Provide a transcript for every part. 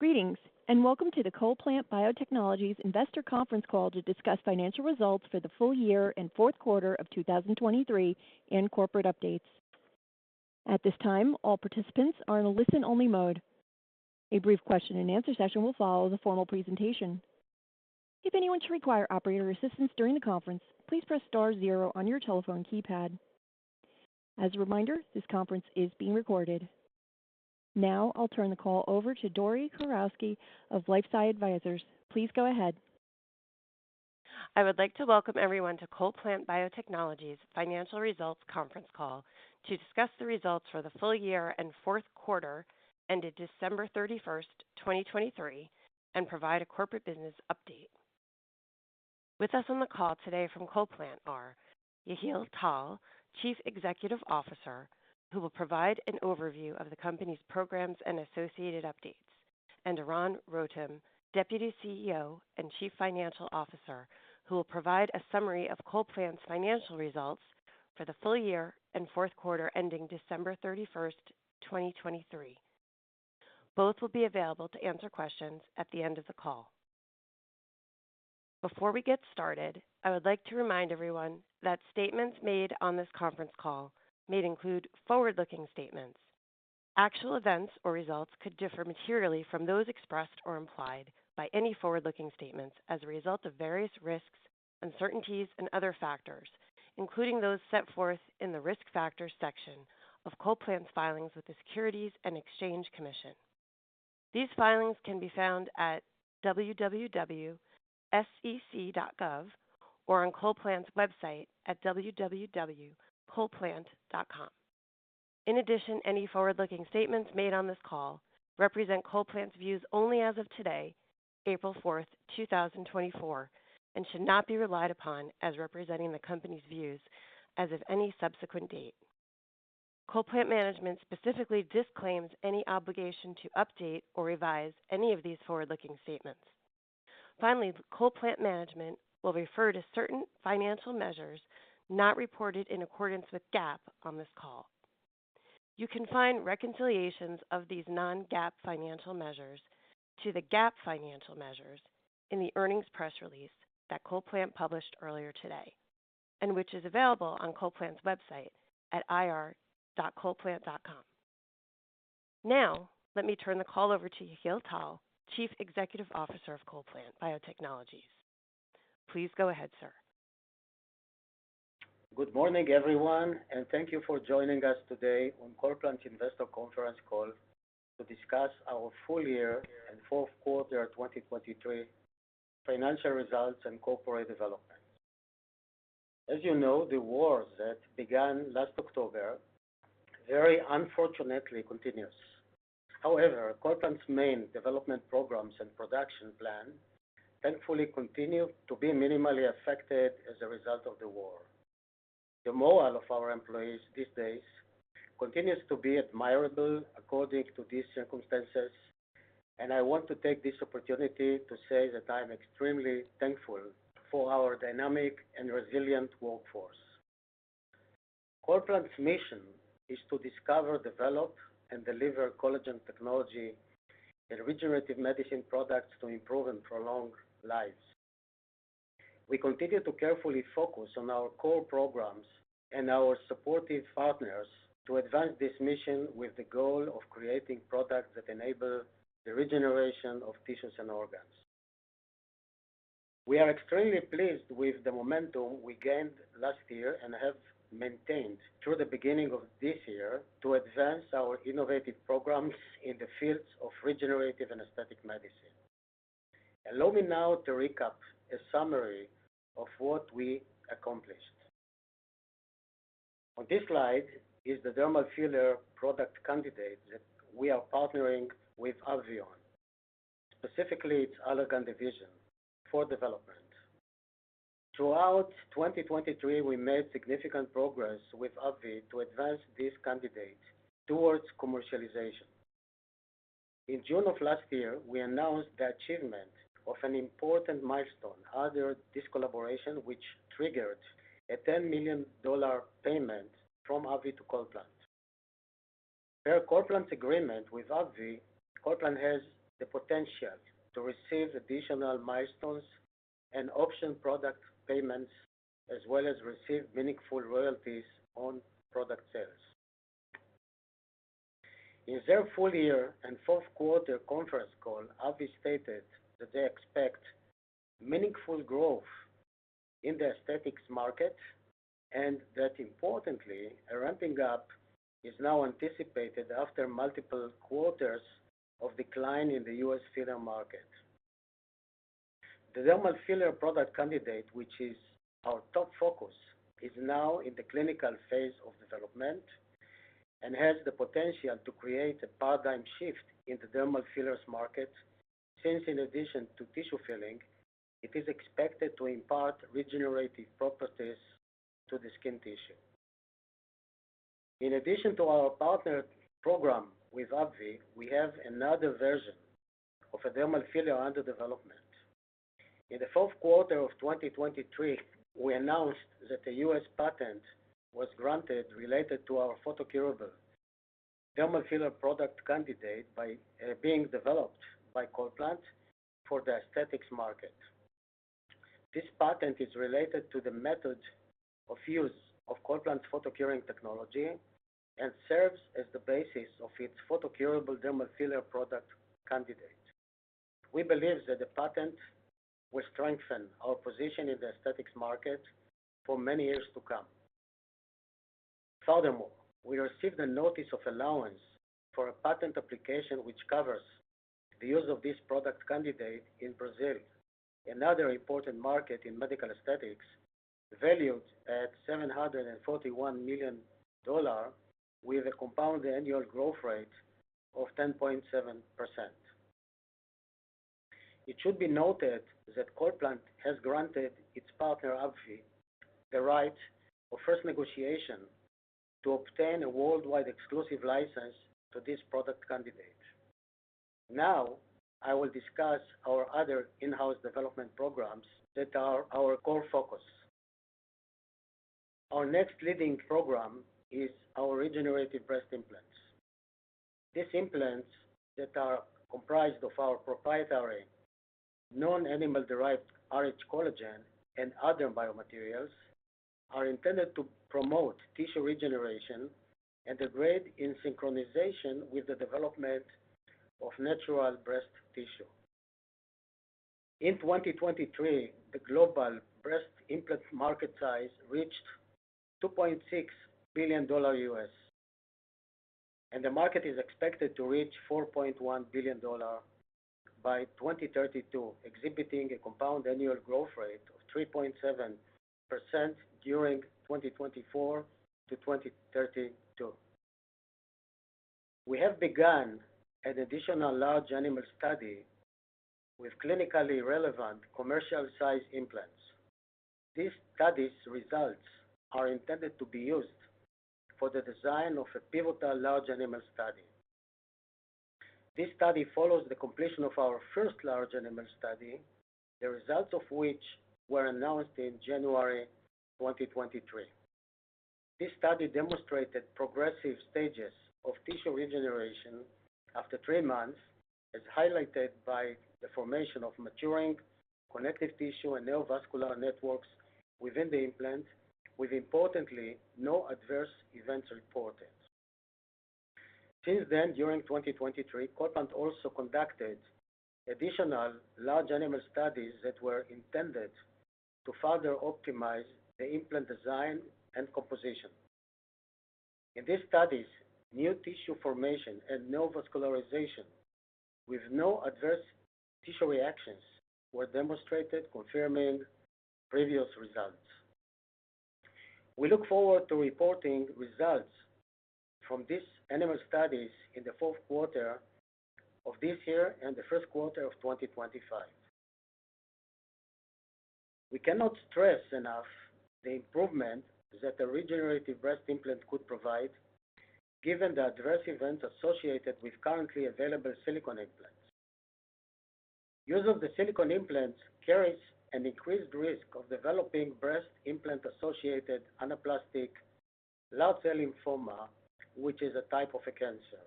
Greetings, and welcome to the CollPlant Biotechnologies Investor Conference Call to discuss financial results for the full year and fourth quarter of 2023 and corporate updates. At this time, all participants are in a listen-only mode. A brief question-and-answer session will follow the formal presentation. If anyone should require operator assistance during the conference, please press star zero on your telephone keypad. As a reminder, this conference is being recorded. Now I'll turn the call over to Dory Kurowski of LifeSci Advisors. Please go ahead. I would like to welcome everyone to CollPlant Biotechnologies' Financial Results Conference Call to discuss the results for the full year and fourth quarter ended December 31st, 2023, and provide a corporate business update. With us on the call today from CollPlant are Yehiel Tal, Chief Executive Officer, who will provide an overview of the company's programs and associated updates, and Eran Rotem, Deputy CEO and Chief Financial Officer, who will provide a summary of CollPlant's financial results for the full year and fourth quarter ending December 31st, 2023. Both will be available to answer questions at the end of the call. Before we get started, I would like to remind everyone that statements made on this conference call may include forward-looking statements. Actual events or results could differ materially from those expressed or implied by any forward-looking statements as a result of various risks, uncertainties, and other factors, including those set forth in the Risk Factors section of CollPlant's filings with the Securities and Exchange Commission. These filings can be found at www.sec.gov or on CollPlant's website at www.collplant.com. In addition, any forward-looking statements made on this call represent CollPlant's views only as of today, April 4th, 2024, and should not be relied upon as representing the company's views as of any subsequent date. CollPlant Management specifically disclaims any obligation to update or revise any of these forward-looking statements. Finally, CollPlant Management will refer to certain financial measures not reported in accordance with GAAP on this call. You can find reconciliations of these non-GAAP financial measures to the GAAP financial measures in the earnings press release that CollPlant published earlier today and which is available on CollPlant's website at ir.collplant.com. Now let me turn the call over to Yehiel Tal, Chief Executive Officer of CollPlant Biotechnologies. Please go ahead, sir. Good morning, everyone, and thank you for joining us today on CollPlant's Investor Conference Call to discuss our full year and fourth quarter of 2023 financial results and corporate developments. As you know, the wars that began last October very unfortunately continues. However, CollPlant's main development programs and production plan thankfully continue to be minimally affected as a result of the war. The morale of our employees these days continues to be admirable according to these circumstances, and I want to take this opportunity to say that I am extremely thankful for our dynamic and resilient workforce. CollPlant's mission is to discover, develop, and deliver collagen technology and regenerative medicine products to improve and prolong lives. We continue to carefully focus on our core programs and our supportive partners to advance this mission with the goal of creating products that enable the regeneration of tissues and organs. We are extremely pleased with the momentum we gained last year and have maintained through the beginning of this year to advance our innovative programs in the fields of regenerative and aesthetic medicine. Allow me now to recap a summary of what we accomplished. On this slide is the dermal filler product candidate that we are partnering with AbbVie, specifically its Allergan division, for development. Throughout 2023, we made significant progress with AbbVie to advance this candidate towards commercialization. In June of last year, we announced the achievement of an important milestone under this collaboration, which triggered a $10 million payment from AbbVie to CollPlant. Per CollPlant's agreement with AbbVie, CollPlant has the potential to receive additional milestones and option product payments as well as receive meaningful royalties on product sales. In their full year and fourth quarter conference call, AbbVie stated that they expect meaningful growth in the aesthetics market and that, importantly, a ramping up is now anticipated after multiple quarters of decline in the U.S. filler market. The dermal filler product candidate, which is our top focus, is now in the clinical phase of development and has the potential to create a paradigm shift in the dermal fillers market since, in addition to tissue filling, it is expected to impart regenerative properties to the skin tissue. In addition to our partnered program with AbbVie, we have another version of a dermal filler under development. In the fourth quarter of 2023, we announced that a U.S. patent was granted related to our photocurable dermal filler product candidate being developed by CollPlant for the aesthetics market. This patent is related to the method of use of CollPlant's photocuring technology and serves as the basis of its photocurable dermal filler product candidate. We believe that the patent will strengthen our position in the aesthetics market for many years to come. Furthermore, we received a notice of allowance for a patent application which covers the use of this product candidate in Brazil, another important market in medical aesthetics, valued at $741 million with a compounded annual growth rate of 10.7%. It should be noted that CollPlant has granted its partner AbbVie the right of first negotiation to obtain a worldwide exclusive license to this product candidate. Now I will discuss our other in-house development programs that are our core focus. Our next leading program is our regenerative breast implants. These implants, that are comprised of our proprietary non-animal-derived rhCollagen and other biomaterials, are intended to promote tissue regeneration and degrade in synchronization with the development of natural breast tissue. In 2023, the global breast implant market size reached $2.6 billion, and the market is expected to reach $4.1 billion by 2032, exhibiting a compounded annual growth rate of 3.7% during 2024-2032. We have begun an additional large animal study with clinically relevant commercial-size implants. These studies' results are intended to be used for the design of a pivotal large animal study. This study follows the completion of our first large animal study, the results of which were announced in January 2023. This study demonstrated progressive stages of tissue regeneration after three months, as highlighted by the formation of maturing connective tissue and neovascular networks within the implant, with importantly no adverse events reported. Since then, during 2023, CollPlant also conducted additional large animal studies that were intended to further optimize the implant design and composition. In these studies, new tissue formation and neovascularization with no adverse tissue reactions were demonstrated, confirming previous results. We look forward to reporting results from these animal studies in the fourth quarter of this year and the first quarter of 2025. We cannot stress enough the improvement that a regenerative breast implant could provide, given the adverse events associated with currently available silicone implants. Use of the silicone implants carries an increased risk of developing breast implant-associated anaplastic large cell lymphoma, which is a type of cancer.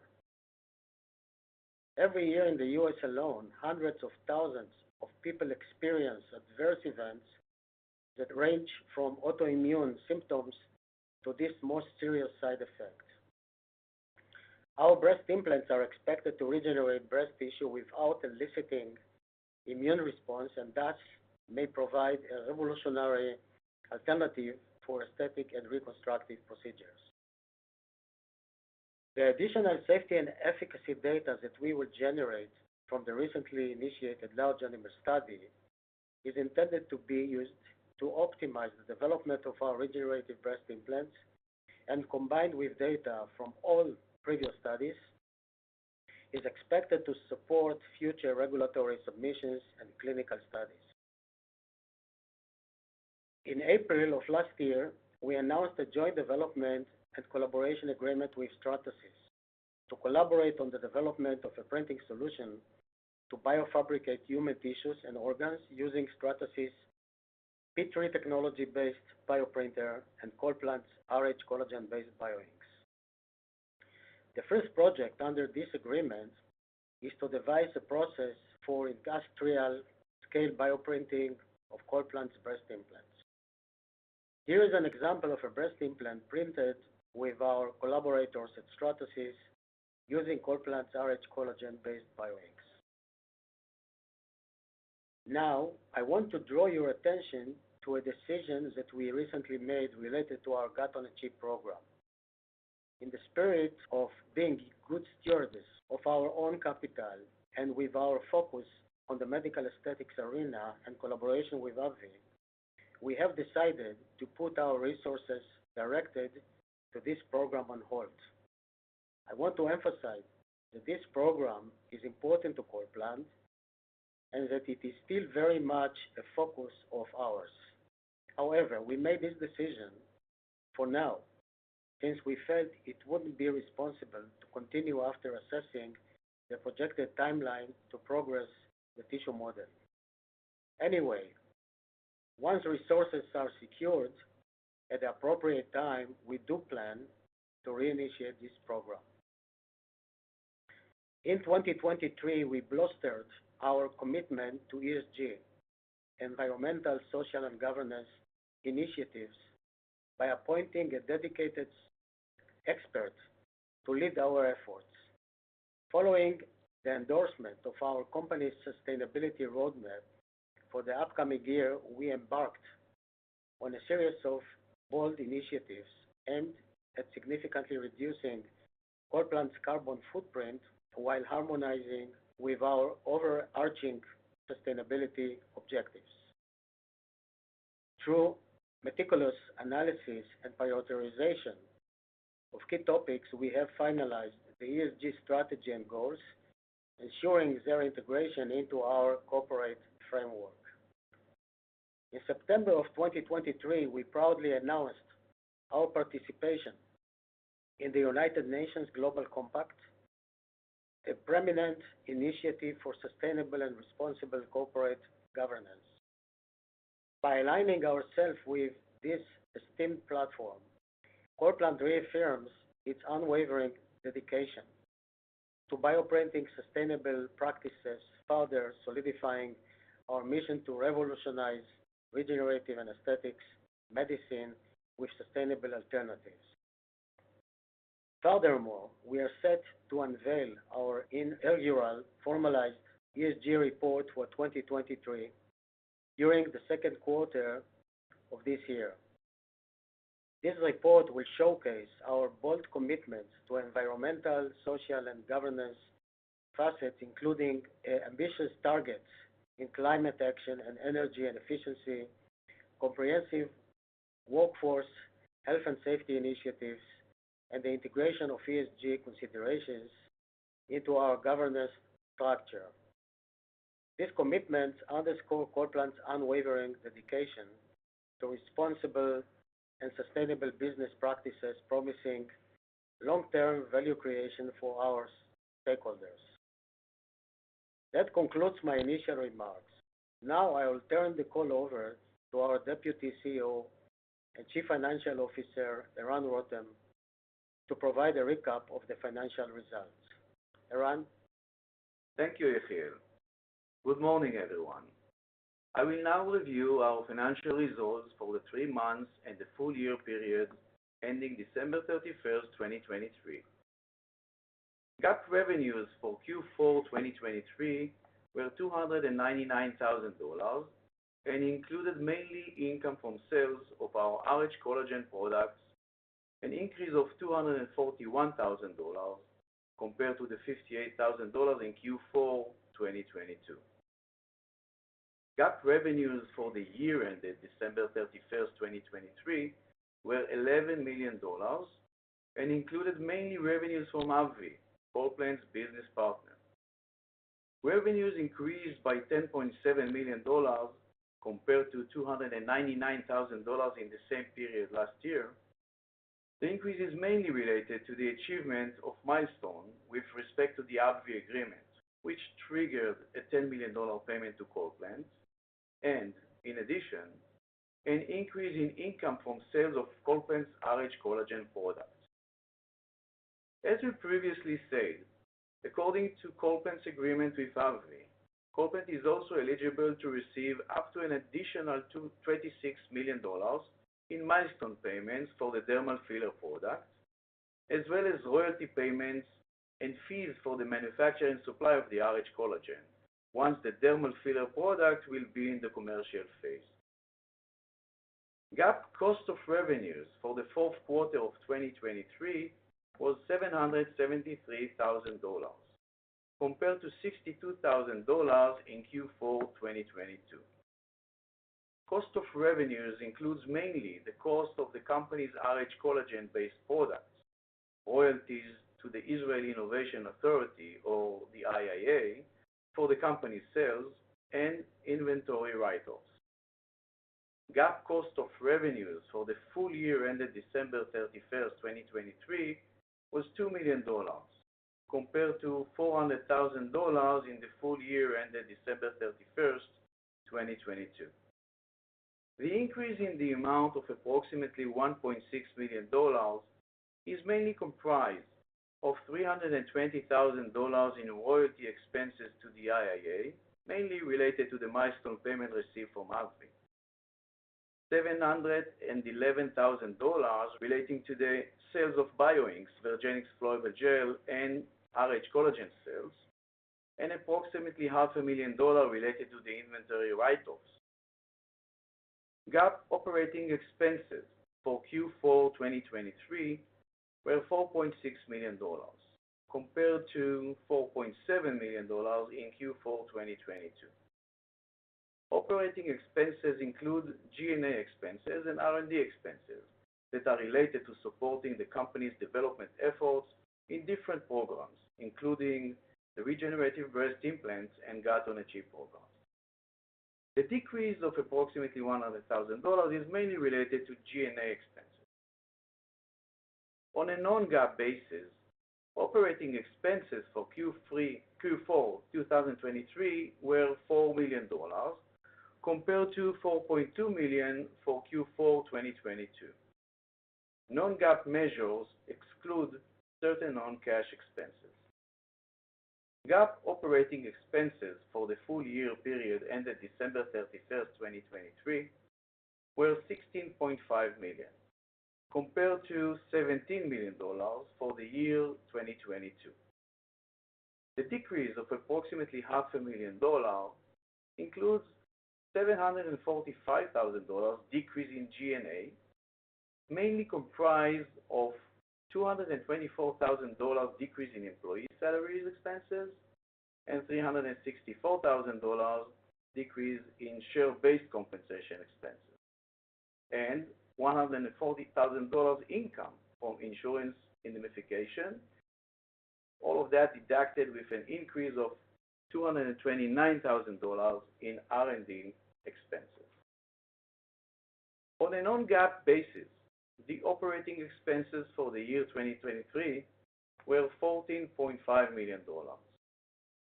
Every year in the U.S. alone, hundreds of thousands of people experience adverse events that range from autoimmune symptoms to these most serious side effects. Our breast implants are expected to regenerate breast tissue without eliciting immune response and thus may provide a revolutionary alternative for aesthetic and reconstructive procedures. The additional safety and efficacy data that we will generate from the recently initiated large animal study is intended to be used to optimize the development of our regenerative breast implants, and combined with data from all previous studies, is expected to support future regulatory submissions and clinical studies. In April of last year, we announced a joint development and collaboration agreement with Stratasys to collaborate on the development of a printing solution to biofabricate human tissues and organs using Stratasys P3 technology-based bioprinter and CollPlant's rhCollagen-based bioinks. The first project under this agreement is to devise a process for industrial-scale bioprinting of CollPlant's breast implants. Here is an example of a breast implant printed with our collaborators at Stratasys using CollPlant's rhCollagen-based bioinks. Now I want to draw your attention to a decision that we recently made related to our Gut-on-a-Chip program. In the spirit of being good stewards of our own capital and with our focus on the medical aesthetics arena and collaboration with AbbVie, we have decided to put our resources directed to this program on hold. I want to emphasize that this program is important to CollPlant and that it is still very much a focus of ours. However, we made this decision for now since we felt it wouldn't be responsible to continue after assessing the projected timeline to progress the tissue model. Anyway, once resources are secured at the appropriate time, we do plan to reinitiate this program. In 2023, we bolstered our commitment to ESG, environmental, social, and governance initiatives by appointing a dedicated expert to lead our efforts. Following the endorsement of our company's sustainability roadmap for the upcoming year, we embarked on a series of bold initiatives aimed at significantly reducing CollPlant's carbon footprint while harmonizing with our overarching sustainability objectives. Through meticulous analysis and prioritization of key topics, we have finalized the ESG strategy and goals, ensuring their integration into our corporate framework. In September of 2023, we proudly announced our participation in the United Nations Global Compact, a prominent initiative for sustainable and responsible corporate governance. By aligning ourselves with this esteemed platform, CollPlant reaffirms its unwavering dedication to bioprinting sustainable practices, further solidifying our mission to revolutionize regenerative and aesthetic medicine with sustainable alternatives. Furthermore, we are set to unveil our inaugural formalized ESG report for 2023 during the second quarter of this year. This report will showcase our bold commitments to environmental, social, and governance facets, including ambitious targets in climate action and energy and efficiency, comprehensive workforce health and safety initiatives, and the integration of ESG considerations into our governance structure. These commitments underscore CollPlant's unwavering dedication to responsible and sustainable business practices, promising long-term value creation for our stakeholders. That concludes my initial remarks. Now I will turn the call over to our Deputy CEO and Chief Financial Officer, Eran Rotem, to provide a recap of the financial results. Eran. Thank you, Yehiel. Good morning, everyone. I will now review our financial results for the three months and the full year period ending December 31, 2023. GAAP revenues for Q4 2023 were $299,000 and included mainly income from sales of our rhCollagen products, an increase of $241,000 compared to the $58,000 in Q4 2022. GAAP revenues for the year ended December 31, 2023, were $11 million and included mainly revenues from AbbVie, CollPlant's business partner. Revenues increased by $10.7 million compared to $299,000 in the same period last year. The increase is mainly related to the achievement of milestones with respect to the AbbVie agreement, which triggered a $10 million payment to CollPlant and, in addition, an increase in income from sales of CollPlant's rhCollagen product. As we previously said, according to CollPlant's agreement with AbbVie, CollPlant is also eligible to receive up to an additional $26 million in milestone payments for the dermal filler product, as well as royalty payments and fees for the manufacturing supply of the rhCollagen once the dermal filler product will be in the commercial phase. GAAP cost of revenues for the fourth quarter of 2023 was $773,000 compared to $62,000 in Q4 2022. Cost of revenues includes mainly the cost of the company's rhCollagen-based products, royalties to the Israel Innovation Authority or the IIA for the company's sales, and inventory write-offs. GAAP cost of revenues for the full year ended December 31, 2023, was $2 million compared to $400,000 in the full year ended December 31, 2022. The increase in the amount of approximately $1.6 million is mainly comprised of $320,000 in royalty expenses to the IIA, mainly related to the milestone payment received from AbbVie, $711,000 relating to the sales of bioinks, Vergenix Flowable Gel, and rhCollagen, and approximately $500,000 related to the inventory write-offs. GAAP operating expenses for Q4 2023 were $4.6 million compared to $4.7 million in Q4 2022. Operating expenses include G&A expenses and R&D expenses that are related to supporting the company's development efforts in different programs, including the regenerative breast implants and Gut-on-a-Chip programs. The decrease of approximately $100,000 is mainly related to G&A expenses. On a non-GAAP basis, operating expenses for Q4 2023 were $4 million compared to $4.2 million for Q4 2022. Non-GAAP measures exclude certain non-cash expenses. GAAP operating expenses for the full year period ended December 31, 2023, were $16.5 million compared to $17 million for the year 2022. The decrease of approximately $500,000 includes a $745,000 decrease in G&A, mainly comprised of a $224,000 decrease in employee salaries expenses and a $364,000 decrease in share-based compensation expenses, and $140,000 income from insurance indemnification, all of that deducted with an increase of $229,000 in R&D expenses. On a non-GAAP basis, the operating expenses for the year 2023 were $14.5 million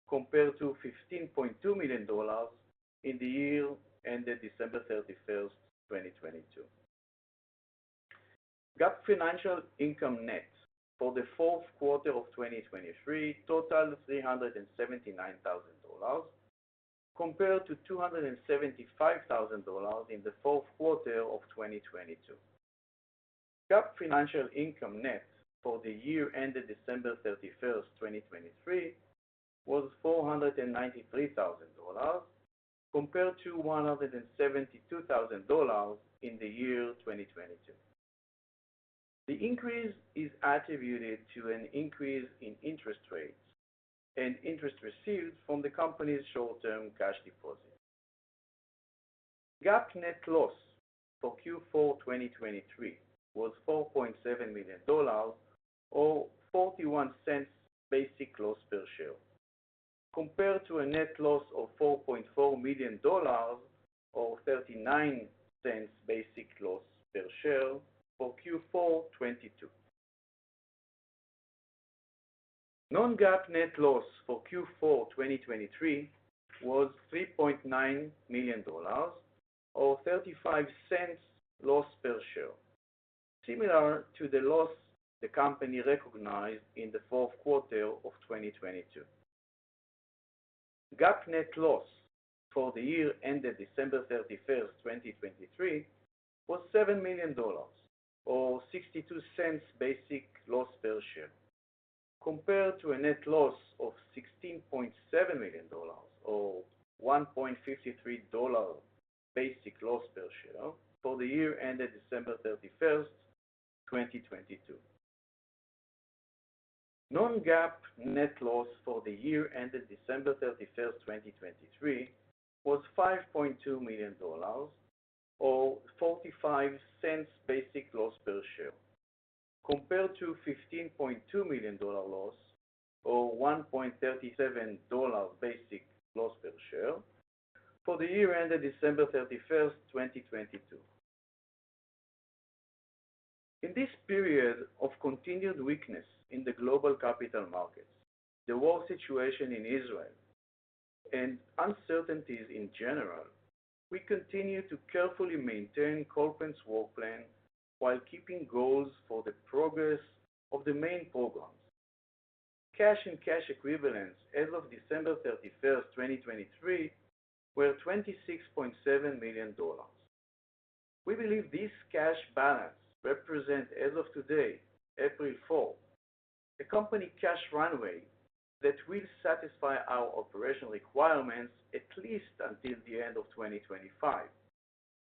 compared to $15.2 million in the year ended December 31, 2022. GAAP financial income net for the fourth quarter of 2023 totaled $379,000 compared to $275,000 in the fourth quarter of 2022. GAAP financial income net for the year ended December 31, 2023, was $493,000 compared to $172,000 in the year 2022. The increase is attributed to an increase in interest rates and interest received from the company's short-term cash deposit. GAAP net loss for Q4 2023 was $4.7 million or $0.41 basic loss per share compared to a net loss of $4.4 million or $0.39 basic loss per share for Q4 2022. Non-GAAP net loss for Q4 2023 was $3.9 million or $0.35 loss per share, similar to the loss the company recognized in the fourth quarter of 2022. GAAP net loss for the year ended December 31, 2023, was $7 million or $0.62 basic loss per share compared to a net loss of $16.7 million or $1.53 basic loss per share for the year ended December 31, 2022. Non-GAAP net loss for the year ended December 31, 2023, was $5.2 million or $0.45 basic loss per share compared to a $15.2 million loss or $1.37 basic loss per share for the year ended December 31, 2022. In this period of continued weakness in the global capital markets, the war situation in Israel, and uncertainties in general, we continue to carefully maintain CollPlant's war plan while keeping goals for the progress of the main programs. Cash and cash equivalents as of December 31, 2023, were $26.7 million. We believe this cash balance represents, as of today, April 4, a company cash runway that will satisfy our operational requirements at least until the end of 2025,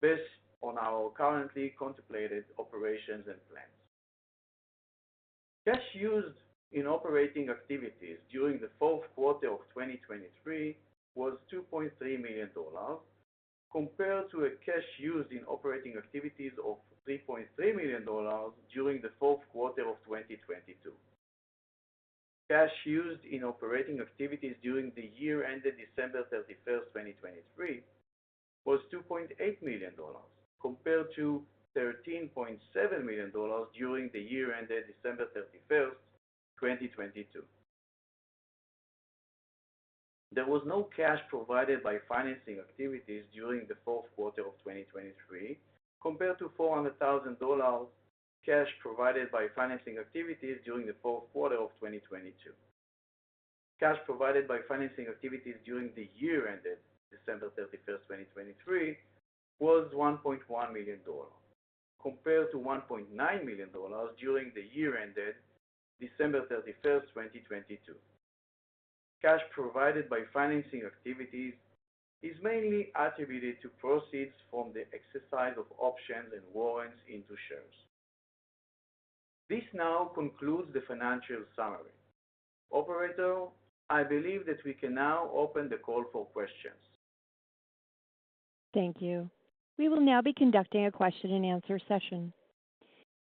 based on our currently contemplated operations and plans. Cash used in operating activities during the fourth quarter of 2023 was $2.3 million compared to cash used in operating activities of $3.3 million during the fourth quarter of 2022. Cash used in operating activities during the year ended December 31, 2023, was $2.8 million compared to $13.7 million during the year ended December 31, 2022. There was no cash provided by financing activities during the fourth quarter of 2023 compared to $400,000 cash provided by financing activities during the fourth quarter of 2022. Cash provided by financing activities during the year ended December 31, 2023, was $1.1 million compared to $1.9 million during the year ended December 31, 2022. Cash provided by financing activities is mainly attributed to proceeds from the exercise of options and warrants into shares. This now concludes the financial summary. Operator, I believe that we can now open the call for questions. Thank you. We will now be conducting a question-and-answer session.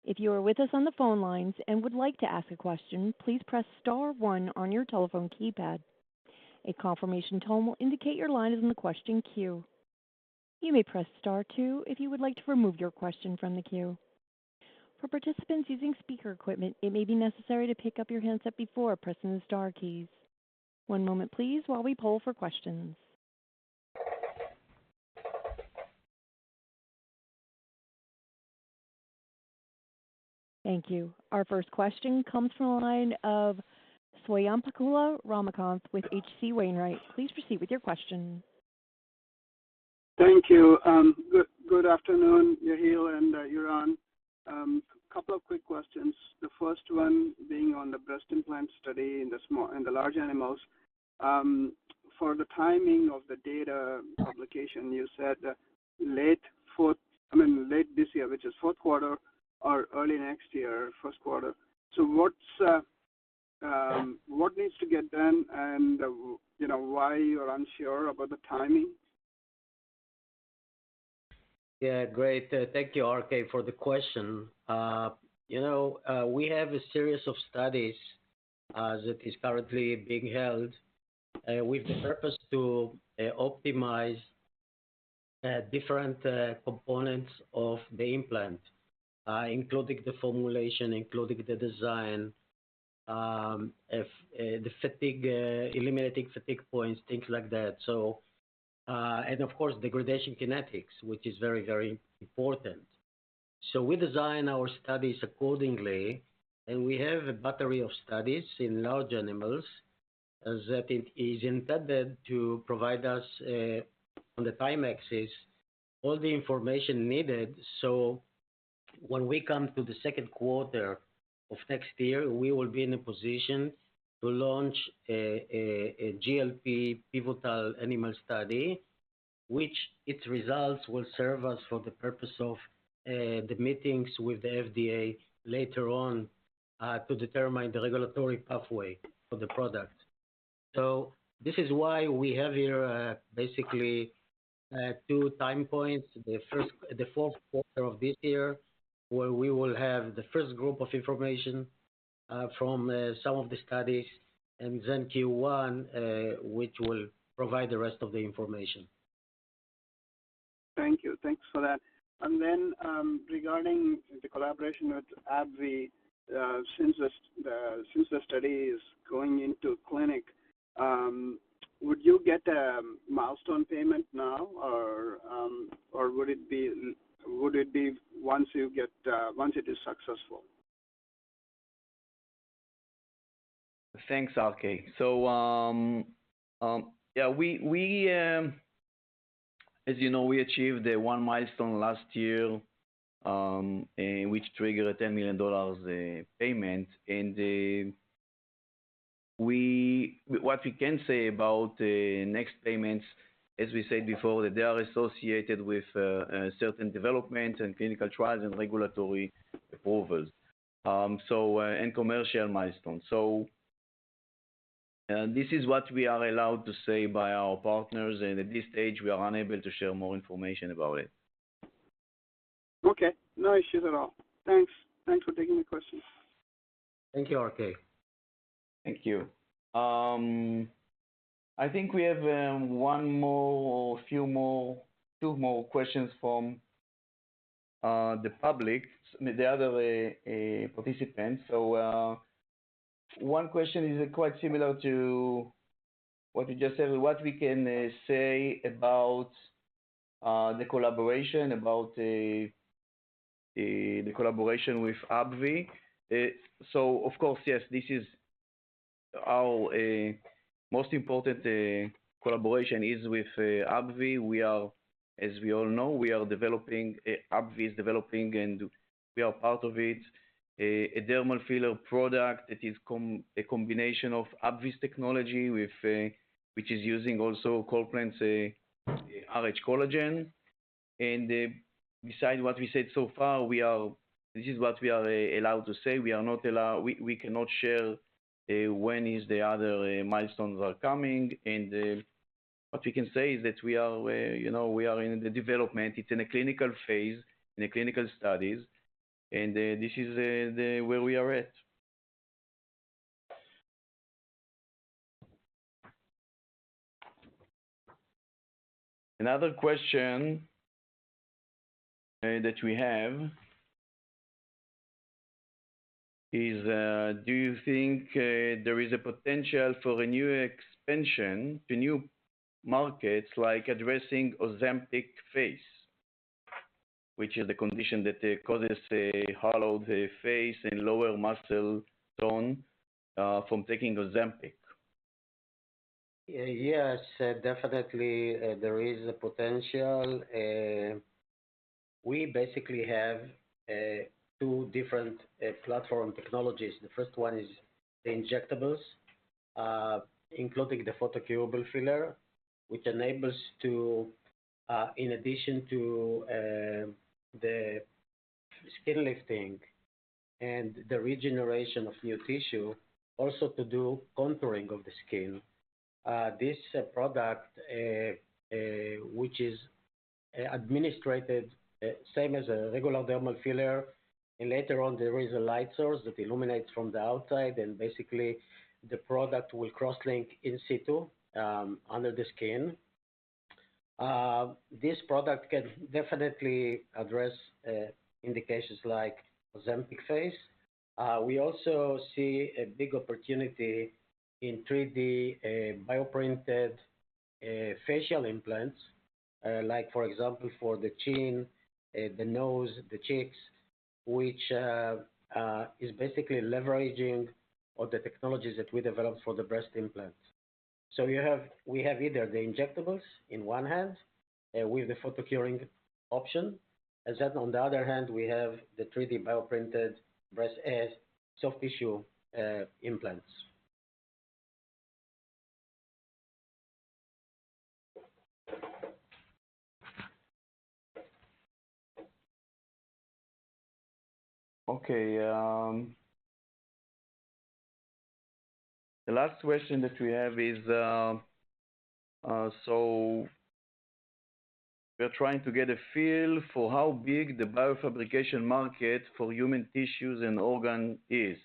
If you are with us on the phone lines and would like to ask a question, please press star one on your telephone keypad. A confirmation tone will indicate your line is in the question queue. You may press star two if you would like to remove your question from the queue. For participants using speaker equipment, it may be necessary to pick up your handset before pressing the star keys. One moment, please, while we poll for questions. Thank you. Our first question comes from a line of Swayampakula Ramakanth with H.C. Wainwright. Please proceed with your question. Thank you. Good afternoon, Yehiel and Eran. A couple of quick questions. The first one being on the breast implant study in the large animals. For the timing of the data publication, you said late fourth, I mean, late this year, which is fourth quarter, or early next year, first quarter. So what needs to get done and why you are unsure about the timing? Yeah, great. Thank you, RK, for the question. We have a series of studies that is currently being held with the purpose to optimize different components of the implant, including the formulation, including the design, eliminating fatigue points, things like that. And of course, degradation kinetics, which is very, very important. So we design our studies accordingly, and we have a battery of studies in large animals that is intended to provide us, on the time axis, all the information needed. So when we come to the second quarter of next year, we will be in a position to launch a GLP pivotal animal study, which its results will serve us for the purpose of the meetings with the FDA later on to determine the regulatory pathway for the product. So this is why we have here, basically, two time points. The fourth quarter of this year, where we will have the first group of information from some of the studies, and then Q1, which will provide the rest of the information. Thank you. Thanks for that. And then regarding the collaboration with AbbVie, since the study is going into clinic, would you get a milestone payment now, or would it be once it is successful? Thanks, RK. So yeah, as you know, we achieved one milestone last year, which triggered a $10 million payment. What we can say about next payments, as we said before, that they are associated with certain developments and clinical trials and regulatory approvals and commercial milestones. So this is what we are allowed to say by our partners, and at this stage, we are unable to share more information about it. Okay. No issues at all. Thanks. Thanks for taking my question. Thank you, R.K. Thank you. I think we have one more or a few more, two more questions from the public, the other participants. So one question is quite similar to what you just said, what we can say about the collaboration, about the collaboration with AbbVie. So of course, yes, this is our most important collaboration is with AbbVie. As we all know, we are developing; AbbVie is developing, and we are part of it, a dermal filler product that is a combination of AbbVie's technology, which is using also CollPlant's rhCollagen. And besides what we said so far, this is what we are allowed to say. We are not allowed; we cannot share when the other milestones are coming. And what we can say is that we are in the development. It's in a clinical phase, in clinical studies. And this is where we are at. Another question that we have is, do you think there is a potential for a new expansion to new markets like addressing Ozempic face, which is the condition that causes hollowed face and lower muscle tone from taking Ozempic? Yes, definitely, there is a potential. We basically have two different platform technologies. The first one is the injectables, including the photocurable filler, which enables to, in addition to the skin lifting and the regeneration of new tissue, also to do contouring of the skin. This product, which is administered same as a regular dermal filler, and later on, there is a light source that illuminates from the outside, and basically, the product will cross-link in situ under the skin. This product can definitely address indications like Ozempic face. We also see a big opportunity in 3D bioprinted facial implants, like, for example, for the chin, the nose, the cheeks, which is basically leveraging all the technologies that we developed for the breast implant. We have either the injectables in one hand with the photocuring option, and then on the other hand, we have the 3D bioprinted breast soft tissue implants. Okay. The last question that we have is, so we're trying to get a feel for how big the biofabrication market for human tissues and organs is.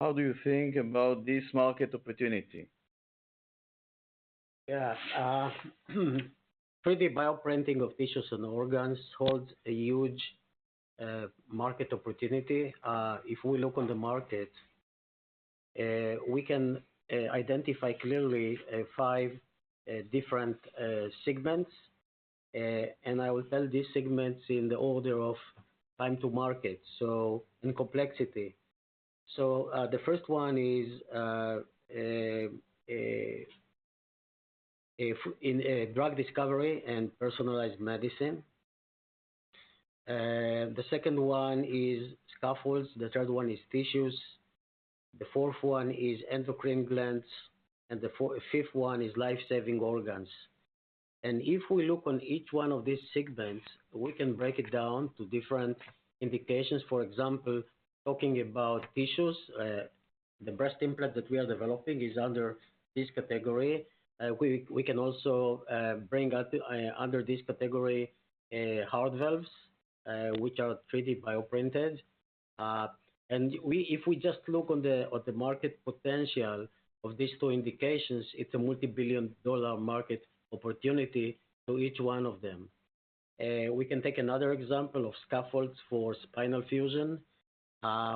How do you think about this market opportunity? Yeah. 3D bioprinting of tissues and organs holds a huge market opportunity. If we look on the market, we can identify clearly five different segments, and I will tell these segments in the order of time to market, so in complexity. So the first one is in drug discovery and personalized medicine. The second one is scaffolds. The third one is tissues. The fourth one is endocrine glands, and the fifth one is life-saving organs. If we look on each one of these segments, we can break it down to different indications. For example, talking about tissues, the breast implant that we are developing is under this category. We can also bring under this category heart valves, which are 3D bioprinted. If we just look on the market potential of these two indications, it's a multibillion-dollar market opportunity for each one of them. We can take another example of scaffolds for spinal fusion,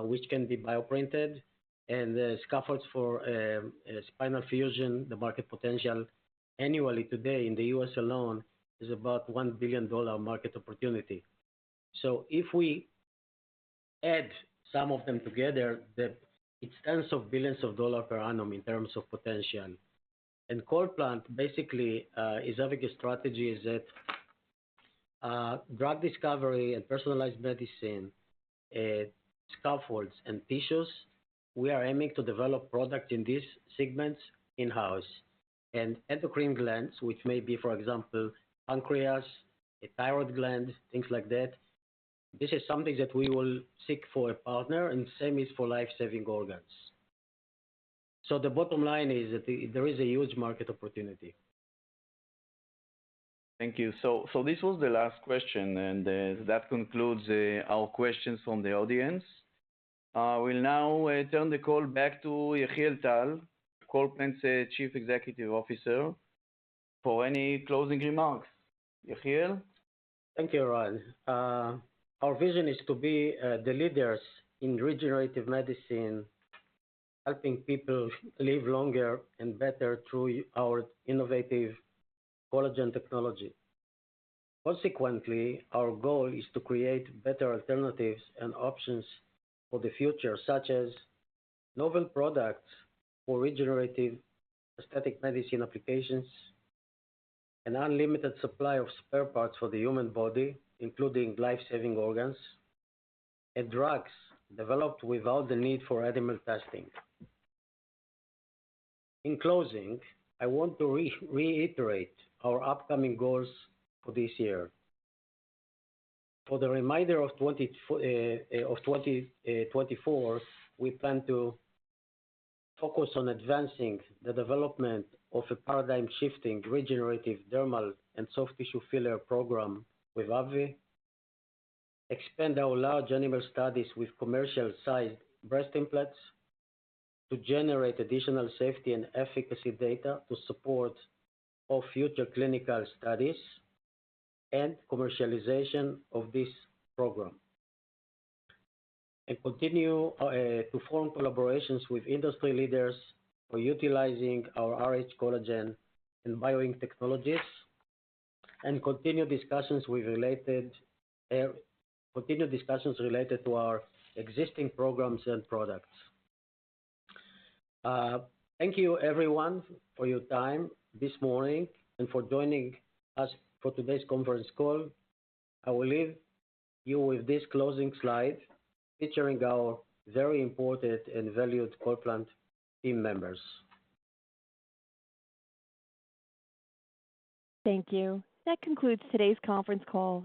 which can be bioprinted, and scaffolds for spinal fusion, the market potential annually today in the U.S. alone is about $1 billion market opportunity. So if we add some of them together, it's tens of billions of dollars per annum in terms of potential. And CollPlant, basically, is having a strategy that drug discovery and personalized medicine, scaffolds, and tissues, we are aiming to develop products in these segments in-house. And endocrine glands, which may be, for example, pancreas, a thyroid gland, things like that, this is something that we will seek for a partner, and same is for life-saving organs. So the bottom line is that there is a huge market opportunity. Thank you. So this was the last question, and that concludes our questions from the audience. We'll now turn the call back to Yehiel Tal, CollPlant's Chief Executive Officer, for any closing remarks. Yehiel? Thank you, Eran. Our vision is to be the leaders in regenerative medicine, helping people live longer and better through our innovative collagen technology. Consequently, our goal is to create better alternatives and options for the future, such as novel products for regenerative aesthetic medicine applications, an unlimited supply of spare parts for the human body, including life-saving organs, and drugs developed without the need for animal testing. In closing, I want to reiterate our upcoming goals for this year. For the remainder of 2024, we plan to focus on advancing the development of a paradigm-shifting regenerative dermal and soft tissue filler program with AbbVie, expand our large animal studies with commercial-sized breast implants to generate additional safety and efficacy data to support future clinical studies, and commercialization of this program, and continue to form collaborations with industry leaders for utilizing our rhCollagen and BioInk technologies, and continue discussions related to our existing programs and products. Thank you, everyone, for your time this morning and for joining us for today's conference call. I will leave you with this closing slide featuring our very important and valued CollPlant team members. Thank you. That concludes today's conference call.